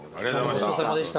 ごちそうさまでした。